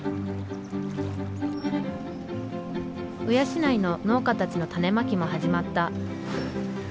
鵜養の農家たちの種まきも始まった。